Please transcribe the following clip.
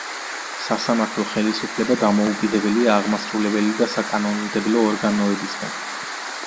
სასამართლო ხელისუფლება დამოუკიდებელია აღმასრულებელი და საკანონმდებლო ორგანოებისგან.